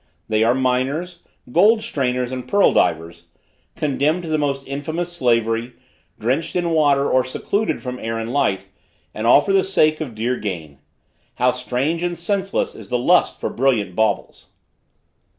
They are miners, gold strainers and pearl divers, condemned to the most infamous slavery, drenched in water, or secluded from air and light, and all for the sake of dear gain. How strange and senseless is the lust for brilliant baubles!